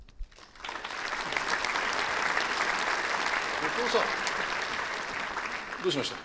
後藤さん。どうしました？